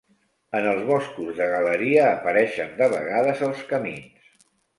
En els boscos de galeria apareixen de vegades els camins.